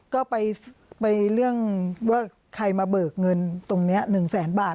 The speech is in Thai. ก็ไปเรื่องว่าใครมาเบิกเงินตรงนี้๑แสนบาท